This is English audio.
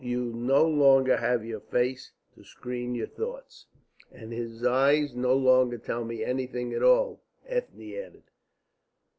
You no longer have your face to screen your thoughts." "And his eyes no longer tell me anything at all," Ethne added.